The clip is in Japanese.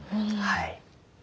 はい。